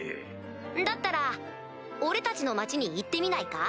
だったら俺たちの町に行ってみないか？